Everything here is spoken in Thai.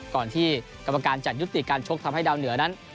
ก่อนที่กรรมการจะยุติการชกทำให้ดาวเหนือนั้น